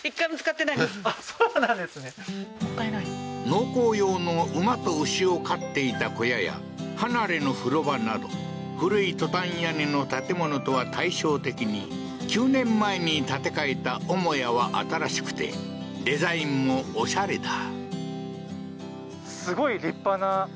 農耕用の馬と牛を飼っていた小屋や離れの風呂場など、古いトタン屋根の建物とは対照的に、９年前に建て替えた母屋は新しくてデザインもオシャレだ。